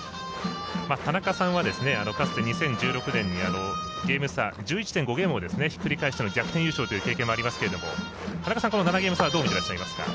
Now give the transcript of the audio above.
田中さんは、かつて２０１６年にゲーム差１１．５ゲームをひっくり返しての逆転優勝がありますけど田中さんは、この７ゲーム差はどう見てらっしゃいますか？